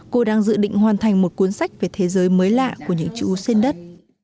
cô đang dự định hoàn thành một cuốn sách về thế giới mới lạ của những chú sen đất